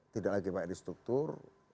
tidak lagi main di struktur